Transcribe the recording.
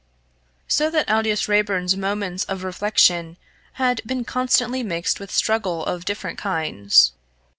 So that Aldous Raeburn's moments of reflection had been constantly mixed with struggle of different kinds.